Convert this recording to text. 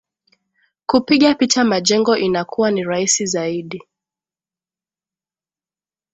Kupiga picha majengo inakuwa ni rahisi zaidi